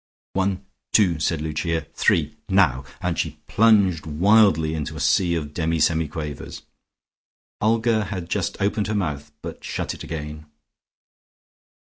"One, two," said Lucia. "Three. Now," and she plunged wildly into a sea of demi semi quavers. Olga had just opened her mouth, but shut it again.